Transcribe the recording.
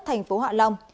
thành phố hạ long